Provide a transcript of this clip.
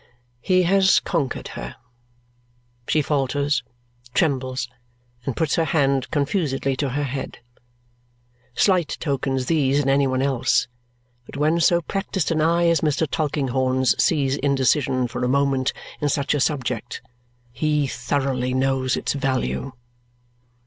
He has conquered her. She falters, trembles, and puts her hand confusedly to her head. Slight tokens these in any one else, but when so practised an eye as Mr. Tulkinghorn's sees indecision for a moment in such a subject, he thoroughly knows its value.